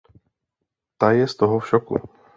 Ta je z toho v šoku.